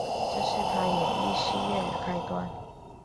这是她演艺事业的开端。